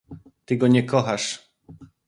"ty go nie kochasz!"